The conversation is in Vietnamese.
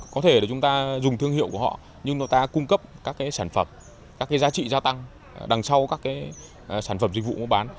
có thể là chúng ta dùng thương hiệu của họ nhưng nó ta cung cấp các cái sản phẩm các cái giá trị gia tăng đằng sau các cái sản phẩm dịch vụ mua bán